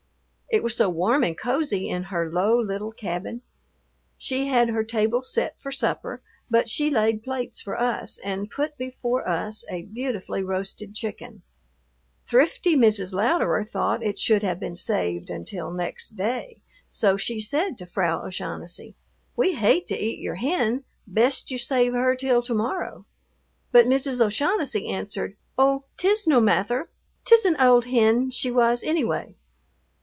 It was so warm and cozy in her low little cabin. She had her table set for supper, but she laid plates for us and put before us a beautifully roasted chicken. Thrifty Mrs. Louderer thought it should have been saved until next day, so she said to Frau O'Shaughnessy, "We hate to eat your hen, best you save her till tomorrow." But Mrs. O'Shaughnessy answered, "Oh, 't is no mather, 't is an ould hin she was annyway."